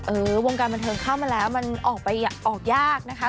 เออวงการบรรเวียนเข้ามาแล้วมันออกไปออกยากนะคะ